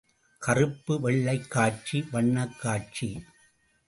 கறுப்பு வெள்ளைக் காட்சி, வண்ணக் காட்சி.